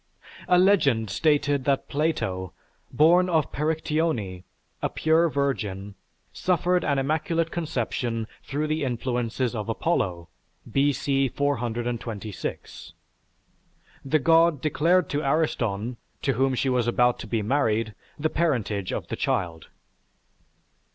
A legend stated that Plato, born of Perictione, a pure virgin, suffered an immaculate conception through the influences of Apollo (B.C. 426). The God declared to Ariston, to whom she was about to be married, the parentage of the child.